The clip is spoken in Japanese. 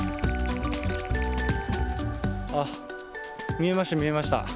見えました、見えました。